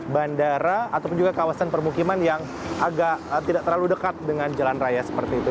bandara ataupun juga kawasan permukiman yang agak tidak terlalu dekat dengan jalan raya seperti itu